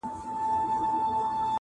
له دې زړو نه ښې ډبري د صحرا وي،